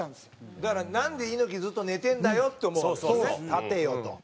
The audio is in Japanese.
だからなんで猪木ずっと寝てんだよって思うわけですよね。